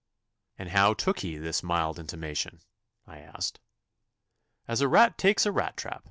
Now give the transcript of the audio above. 'And how took he this mild intimation?' I asked. 'As a rat takes a rat trap.